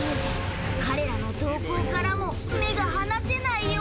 彼らの動向からも目が離せないよ。